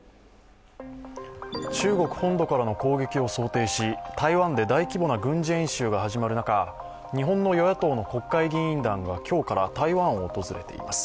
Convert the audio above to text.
中国本土からの攻撃を想定し、台湾で大規模な軍事演習が始まる中、日本の与野党の国会議員団が今日から台湾を訪れています。